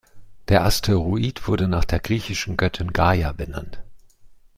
Der Asteroid wurde nach der griechischen Göttin Gaia benannt.